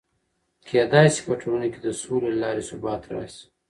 کېدای سي په ټولنه کې د سولې له لارې ثبات راسي.